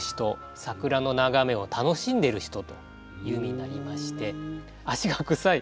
桜の眺めを楽しんでる人という意味になりまして「足がくさい」